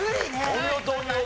お見事お見事。